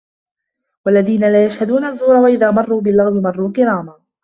وَالَّذينَ لا يَشهَدونَ الزّورَ وَإِذا مَرّوا بِاللَّغوِ مَرّوا كِرامًا